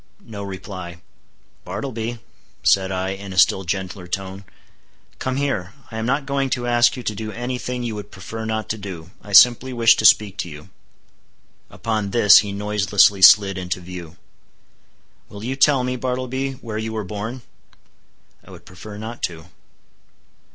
No reply. "Bartleby," said I, in a still gentler tone, "come here; I am not going to ask you to do any thing you would prefer not to do—I simply wish to speak to you." Upon this he noiselessly slid into view. "Will you tell me, Bartleby, where you were born?" "I would prefer not to."